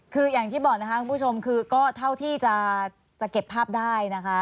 คืออย่างที่บอกนะคะคุณผู้ชมคือก็เท่าที่จะเก็บภาพได้นะคะ